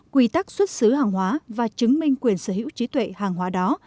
quy tắc xuất xứ hàng hóa và chứng minh quyền sở hữu trí tuệ hàng hóa đó